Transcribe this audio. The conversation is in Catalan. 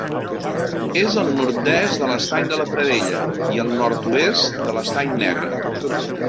És al nord-est de l'Estany de la Pradella i al nord-oest de l'Estany Negre.